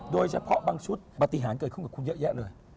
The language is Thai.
โดยเฉพาะบางชุดปฏิหารเกิดขึ้นกับคุณเยอะแยะเลย